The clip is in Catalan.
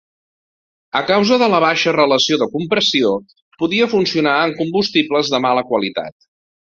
A causa de la baixa relació de compressió podia funcionar amb combustibles de mala qualitat.